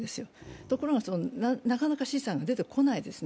ところがなかなか試算が出てこないですね。